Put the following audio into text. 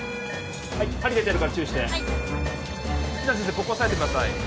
ここ押さえてください